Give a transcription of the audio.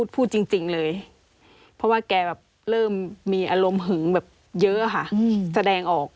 พูดจริงเลยเพราะว่าแกแบบเริ่มมีอารมณ์หึงแบบเยอะค่ะแสดงออก